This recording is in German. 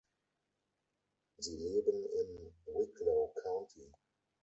Sie leben im Wicklow County.